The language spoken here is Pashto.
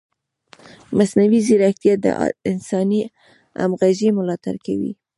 مصنوعي ځیرکتیا د انساني همغږۍ ملاتړ کوي.